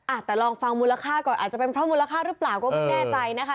อ่ะแต่ลองฟังมูลค่าก่อนอาจจะเป็นเพราะมูลค่าหรือเปล่าก็ไม่แน่ใจนะคะ